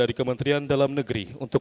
dari kementerian dalam negeri untuk